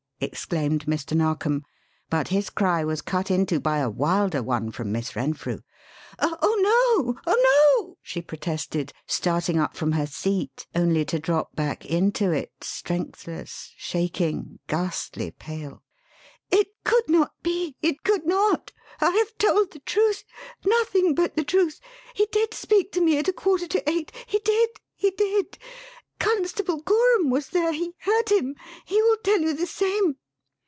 exclaimed Mr. Narkom; but his cry was cut into by a wilder one from Miss Renfrew. "Oh, no! Oh, no!" she protested, starting up from her seat, only to drop back into it, strengthless, shaking, ghastly pale. "It could not be it could not. I have told the truth nothing but the truth. He did speak to me at a quarter to eight he did, he did! Constable Gorham was there he heard him; he will tell you the same."